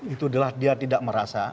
itu adalah dia tidak merasa